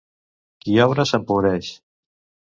Qui obra s'empobreix.